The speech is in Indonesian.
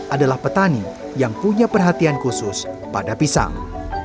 adalah petani yang punya perhatian khusus pada pisang